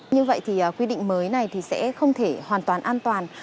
như vậy thì quy định mới này thì sẽ không thể hoàn toàn an toàn